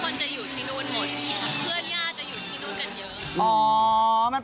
ก็เลยแบบว่าช้อปปี้ชิ้นข้าวอ่านหนังสือ